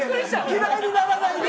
嫌いにならないで！